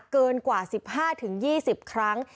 เกินกว่า๑๕๒๐ครั้ง